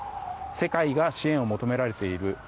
世界が支援を求められている。